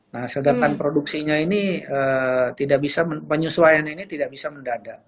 nah sedangkan produksinya ini tidak bisa penyesuaian ini tidak bisa mendadak